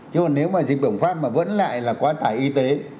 chứ nếu mà dịch bổng phát mà vẫn lại là qua tải y tế